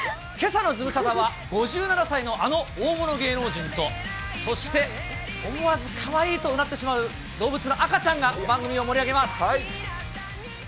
けさのズムサタは５７歳のあの大物芸能人と、そして、思わずかわいいとうなってしまう動物の赤ちゃんが番組を盛り上げます。